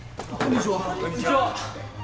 こんにちは。